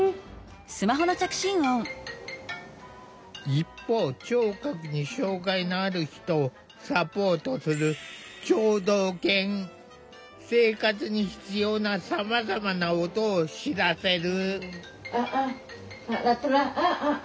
一方聴覚に障害のある人をサポートする生活に必要なさまざまな音を知らせる。